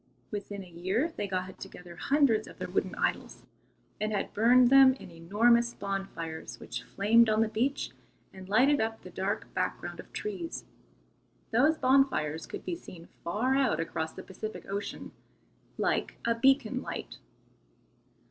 Within a year they had got together hundreds of their wooden idols, and had burned them in enormous bonfires which flamed on the beach and lighted up the dark background of trees. Those bonfires could be seen far out across the Pacific Ocean, like a beacon light.